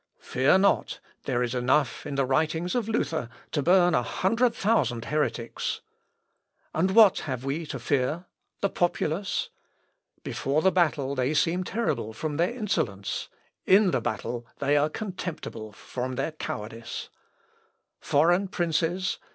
Fear not: there is enough in the writings of Luther to burn a hundred thousand heretics.... And what have we to fear?... The populace? Before the battle they seem terrible from their insolence; in the battle they are contemptible from their cowardice. Foreign princes?